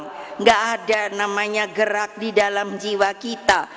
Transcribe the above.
tidak ada namanya gerak di dalam jiwa kita